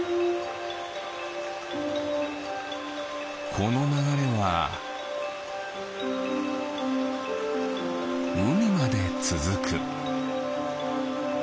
このながれはうみまでつづく。